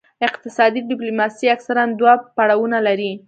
اقتصادي ډیپلوماسي اکثراً دوه پړاوونه لري